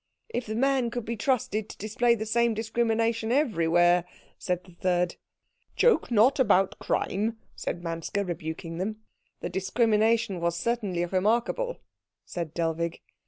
"If the man could be trusted to display the same discrimination everywhere," said the third. "Joke not about crime," said Manske, rebuking them. "The discrimination was certainly remarkable," said Dellwig.